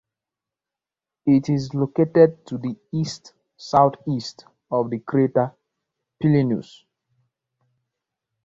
It is located to the east-southeast of the crater Plinius.